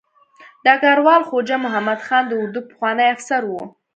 ډګروال خواجه محمد خان د اردو پخوانی افسر و.